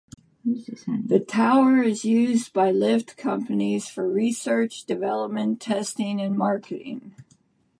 The tower is used by lift companies for research, development, testing and marketing.